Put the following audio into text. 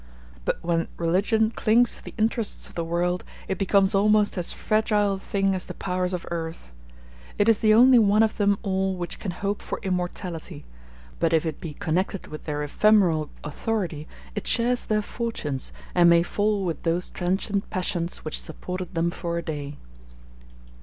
But when religion clings to the interests of the world, it becomes almost as fragile a thing as the powers of earth. It is the only one of them all which can hope for immortality; but if it be connected with their ephemeral authority, it shares their fortunes, and may fall with those transient passions which supported them for a day.